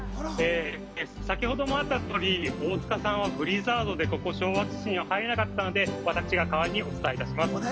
先ほどもあったとおり大塚さんはブリザードで昭和基地に入れなかったので私が代わりにお伝えします。